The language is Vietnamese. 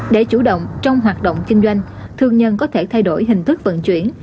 để chủ động trong hoạt động kinh doanh thương nhân có thể thay đổi hình thức vận chuyển